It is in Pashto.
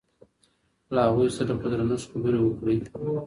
له هغوی سره په درنښت خبرې وکړئ.